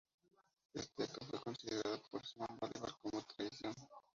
Este acto fue considerado por Simón Bolívar como traición.